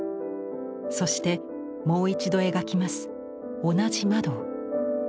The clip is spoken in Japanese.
そしてもう一度描きます同じ窓を。